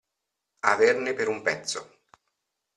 Averne per un pezzo.